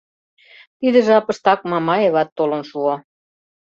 Тиде жапыштак Мамаеват толын шуо.